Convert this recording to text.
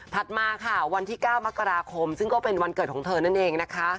มาค่ะวันที่๙มกราคมซึ่งก็เป็นวันเกิดของเธอนั่นเองนะคะ